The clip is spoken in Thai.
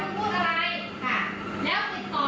หนูไม่ทำอะไรให้ชาวบ้านทุกคน